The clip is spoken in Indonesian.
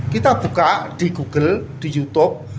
kita buka di google di youtube